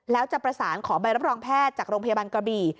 แล้วจะประสานขอใบรับรองแพทย์จากโรงพยาบาลกระบี่